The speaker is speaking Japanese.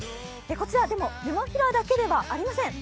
こちら、ネモフィラだけではありません。